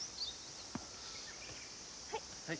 はい。